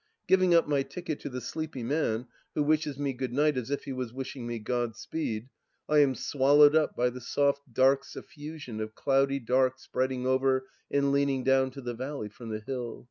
Giving up my ticket to the sleepy man, who wishes me good night as if he was wishing me "God speed," I am swallowed up by the soft, dark suffusion of cloudy dark spreading over and leaning down to the valley from the hill.